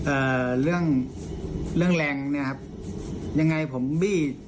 เอ่อเรื่องเรื่องแรงเนี้ยครับยังไงผมบี้